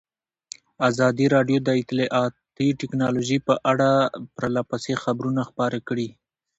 ازادي راډیو د اطلاعاتی تکنالوژي په اړه پرله پسې خبرونه خپاره کړي.